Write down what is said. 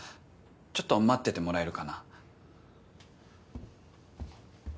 ちょっと待っててもらえるかな？